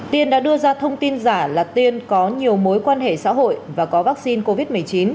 tiên đã đưa ra thông tin giả là tiên có nhiều mối quan hệ xã hội và có vaccine covid một mươi chín